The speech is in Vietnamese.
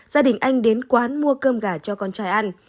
gia đình anh đến quán mua cơm gà cho con trai ăn